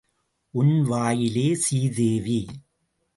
உன் வாயிலே சீதேவி.